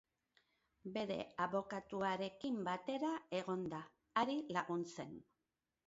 Bere abokatuarekin batera egon da, hari laguntzen.